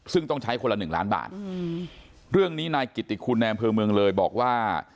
ซึ่งต้องใช้คนละหนึ่งล้านบาทเรื่องนี้นายกิติคุณในอำเภอเมืองเลยบอกว่า